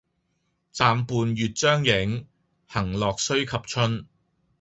暫伴月將影，行樂須及春